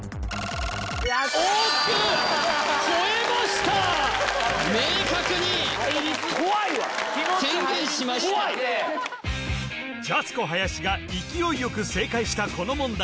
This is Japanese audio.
大きくほえました明確に宣言しましたジャスコ林が勢いよく正解したこの問題